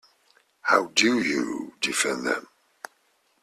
How do you defend them?